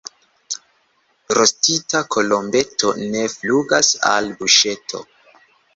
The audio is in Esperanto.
Rostita kolombeto ne flugas al buŝeto.